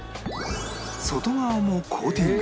外側もコーティング